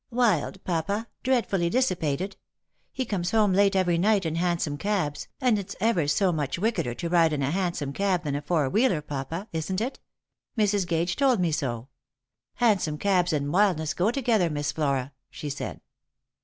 "Wild, papa— dreadfully dissipated. He comes home late every night, in hansom cabs, and it's ever so much wickeder to ride in a hansom than a four wheeler, papa, isn't it ? Mrs. Gage told me so. ' Hansom cabs and wildness go together, Miss Flora,' she said."